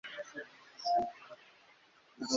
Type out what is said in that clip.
Iyo uburyo Abayuda basobanuraga amategeko buba ari ukuri,